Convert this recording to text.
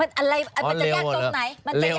มันจะแยกตรงไหน